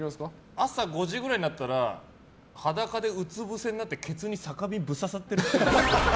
朝５時くらいになったら裸でうつぶせになってケツに酒瓶ぶっ刺さってるっぽい。